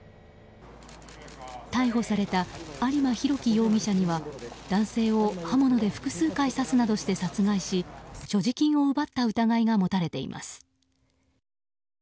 逮捕された有馬滉希容疑者には男性を刃物で複数回刺すなどして殺害し所持金を奪った疑いが持たれています。